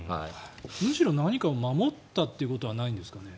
むしろ何かを守ったということはないんですかね？